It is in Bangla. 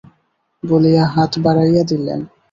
বলিয়া হাত বাড়াইয়া দিলেন।